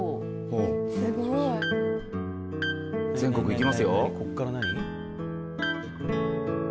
全国いきますよ。